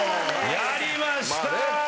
やりました。